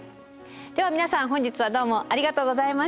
では皆さん本日はどうもありがとうございました。